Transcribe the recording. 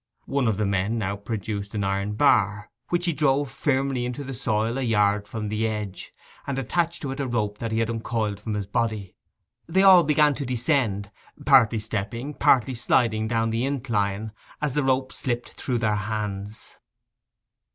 One of the men now produced an iron bar, which he drove firmly into the soil a yard from the edge, and attached to it a rope that he had uncoiled from his body. They all began to descend, partly stepping, partly sliding down the incline, as the rope slipped through their hands.